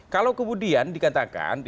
kalau kemudian dikatakan